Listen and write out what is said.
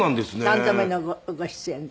３度目のご出演で。